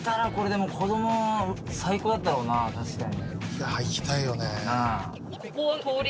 いきたいよね。